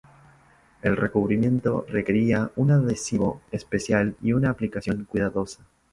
El recubrimiento requería un adhesivo especial y una aplicación cuidadosa.